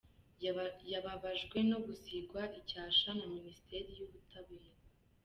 Yababajwe no gusigwa icyasha na Minisiteri y’Ubutabera.